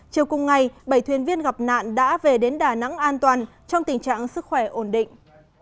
chiều cùng ngày bảy thuyền viên gặp nạn đã về đến đà nẵng an toàn trong tình trạng sức khỏe ổn định